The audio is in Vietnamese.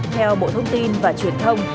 theo bộ thông tin và truyền thông